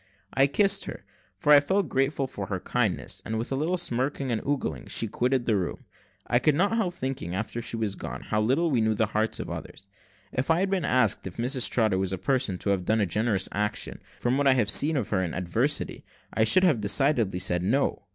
I kissed her, for I felt grateful for her kindness; and with a little smirking and ogling she quitted the room. I could not help thinking, after she was gone, how little we know the hearts of others. If I had been asked if Mrs Trotter was a person to have done a generous action, from what I had seen of her in adversity, I should have decidedly said, No.